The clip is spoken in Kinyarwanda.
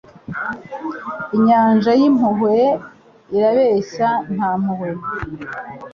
Inyanja y'impuhwe irabeshya nta mpuhwe